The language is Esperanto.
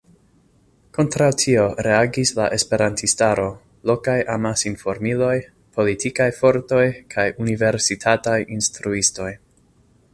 Kontraŭ tio reagis la esperantistaro, lokaj amasinformiloj, politikaj fortoj kaj universitataj instruistoj.